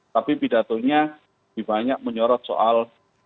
tapi pidatonya dibanyak menyorot soal